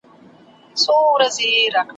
دوکان دوک دی یا کان دی `